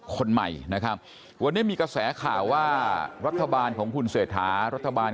คนใหม่นะครับวันนี้มีกระแสข่าวว่ารัฐบาลของคุณเศรษฐารัฐบาล